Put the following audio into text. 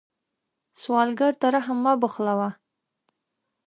سوالګر ته رحم مه بخلوه